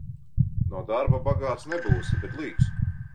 No darba bagāts nebūsi, bet līks.